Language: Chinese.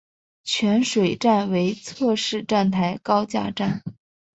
泉水站为侧式站台高架站。